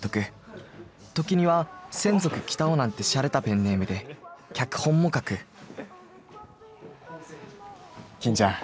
時には千束北男なんてしゃれたペンネームで脚本も書く金ちゃん